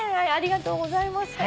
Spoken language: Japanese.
ありがとうございます。